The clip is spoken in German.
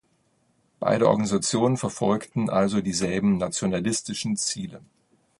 Beide Organisationen verfolgten also dieselben nationalistischen Ziele.